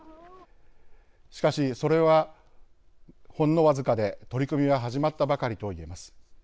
しかしそれはほんの僅かで取り組みは始まったばかりと言えます。